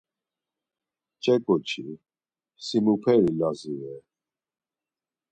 Ç̌e ǩoçi, si muperi Lazi re?